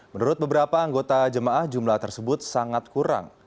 menurut beberapa anggota jemaah jumlah tersebut sangat kurang